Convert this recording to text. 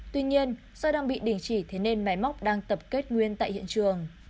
tuy nhiên do đang bị đình chỉ thế nên máy móc đang tập kết nguyên tại hiện trường